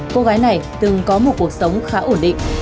cô gái này từng có một cuộc sống khá ổn định